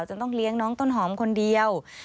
ต้องเลี้ยงน้องต้นหอมคนเดียว